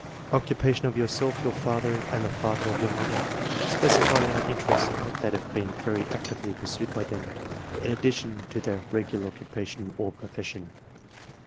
Occupation of yourself, your father, and the father of your mother? Specify any interests that have been very actively pursued by them, in addition to their regular occupation or profession.